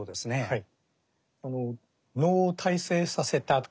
はい。